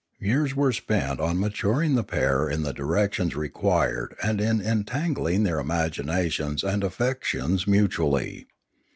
Years were spent on maturing the pair in the directions required and in entangling their imaginations and affections mutually.